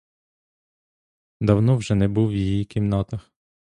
Давно вже не був в її кімнатах.